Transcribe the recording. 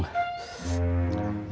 bapaknya udah gak kerja